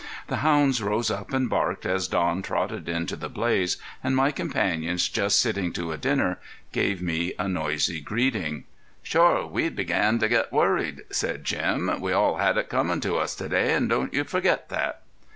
The hounds rose up and barked as Don trotted in to the blaze, and my companions just sitting to a dinner, gave me a noisy greeting. "Shore, we'd began to get worried," said Jim. "We all had it comin' to us to day, and don't you forget that."